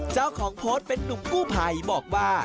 เจ้าของโพสต์เป็นนุ่มกู้ภัยบอกว่า